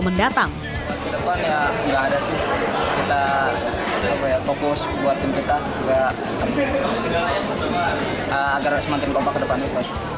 pemain tersebut juga mendatang